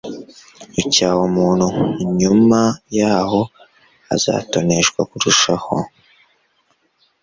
Ucyaha umuntu h nyuma yaho azatoneshwa kurusha